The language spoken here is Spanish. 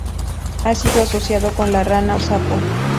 Ha sido asociado con la rana o sapo.